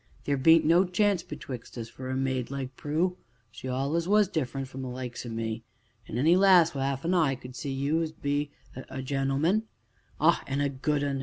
Theer bean't no choice betwixt us for a maid like Prue she allus was different from the likes o' me, an' any lass wi' half an eye could see as you be a gentleman, ah! an' a good un.